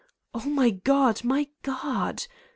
"Oh, my God! My God !"